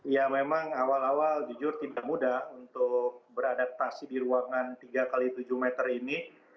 ya memang awal awal jujur tidak mudah untuk beradaptasi di ruangan tiga x tujuh meter ini